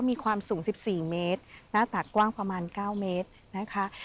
มีความสูง๑๔เมตรหน้าตากว้างอยู่พร้อมกัน